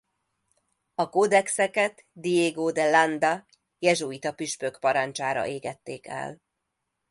A kódexeket Diego de Landa jezsuita püspök parancsára égették el.